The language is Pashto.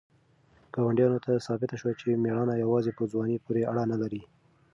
ګاونډیانو ته ثابته شوه چې مېړانه یوازې په ځوانۍ پورې اړه نه لري.